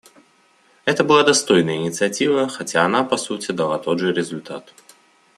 Это была достойная инициатива, хотя она, по сути, дала тот же результат.